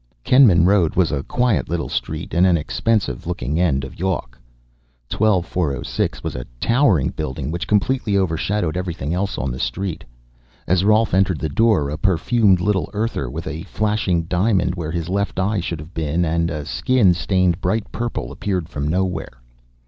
Kenman Road was a quiet little street in an expensive looking end of Yawk. 12406 was a towering building which completely overshadowed everything else on the street. As Rolf entered the door, a perfumed little Earther with a flashing diamond where his left eye should have been and a skin stained bright purple appeared from nowhere.